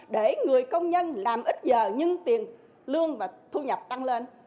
để người công nhân làm ít giờ nhưng tiền lương và thu nhập tăng lên